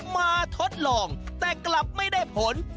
ทดลองแต่กลับไม่ได้ผล